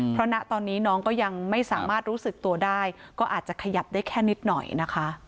เพราะณตอนนี้น้องก็ยังไม่สามารถรู้สึกตัวได้ก็อาจจะขยับได้แค่นิดหน่อยนะคะ